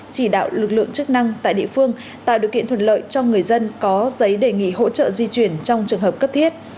chỉ đạo lực lượng chức năng tại địa phương tạo điều kiện thuận lợi cho người dân có giấy đề nghị hỗ trợ di chuyển trong trường hợp cấp thiết